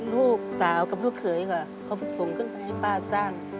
ลูกสาวกับลูกเขยค่ะเขาส่งขึ้นไปให้ป้าสร้าง